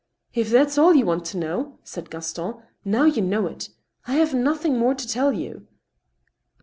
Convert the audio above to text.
" If that's all you want to know," said Gaston, " now you know it. I have nothing more to tell you."